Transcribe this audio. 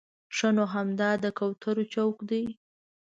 ښه نو همدا د کوترو چوک دی.